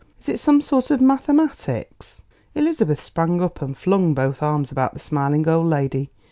"Is it some sort of mathematics?" Elizabeth sprang up and flung both arms about the smiling old lady.